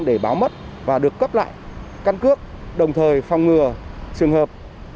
để báo mất và được cấp lại căn cước đồng thời phòng ngừa trường hợp